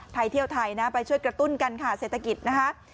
เที่ยวไทยนะไปช่วยกระตุ้นกันค่ะเศรษฐกิจนะคะ